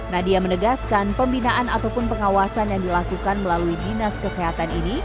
nadia menegaskan pembinaan ataupun pengawasan yang dilakukan melalui dinas kesehatan ini